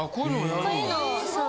こういうのそう。